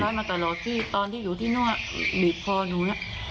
หนูทำร้ายมาตลอดที่ตอนที่อยู่ที่นั่วบีบคอหนูน่ะ